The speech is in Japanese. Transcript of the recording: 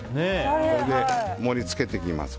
これで盛り付けていきます。